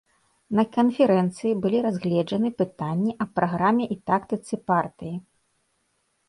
На канферэнцыі былі разгледжаны пытанні аб праграме і тактыцы партыі.